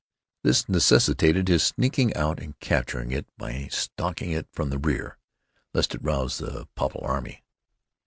This necessitated his sneaking out and capturing it by stalking it from the rear, lest it rouse the Popple Army.